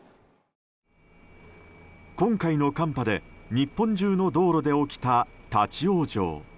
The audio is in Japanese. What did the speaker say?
今回の寒波で日本中の道路で起きた立ち往生。